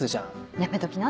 やめときなって。